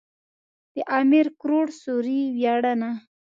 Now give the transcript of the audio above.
د امير کروړ سوري وياړنه.